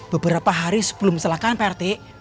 beberapa hari sebelum keselakaan pak rt